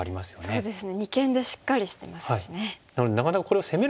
そうですね。